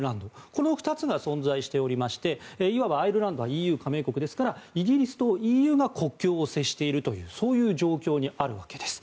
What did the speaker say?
この２つが存在しておりましていわばアイルランドはＥＵ加盟国ですからイギリスとＥＵが国境を接しているという状況にあるわけです。